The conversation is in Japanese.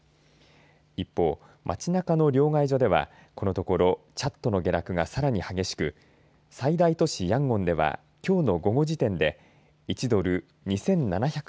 一方、街なかの両替所ではこのところチャットの下落がさらに激しく最大都市ヤンゴンではきょうの午後時点で１ドル＝２７００